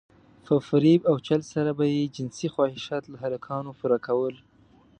په فريب او چل سره به يې جنسي خواهشات له هلکانو پوره کول.